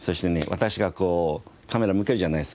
私がカメラ向けるじゃないですか。